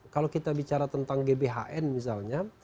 kalau kita bicara tentang gbhn misalnya